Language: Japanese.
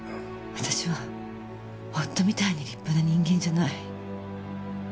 私は夫みたいに立派な人間じゃない。